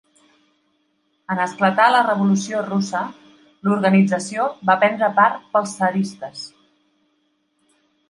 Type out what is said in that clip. En esclatar la Revolució Russa, l'organització va prendre part pels tsaristes.